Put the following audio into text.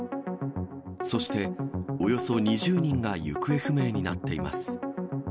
そして、およそ２０人が行方不明になっています。